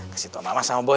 kasih tau mama sama boy